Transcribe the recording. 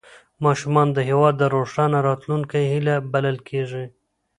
ماشومان د هېواد د روښانه راتلونکي هیله بلل کېږي